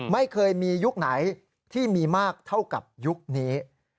ไม่เคยมียุคไหนที่มีมากเท่ากับยุคนี้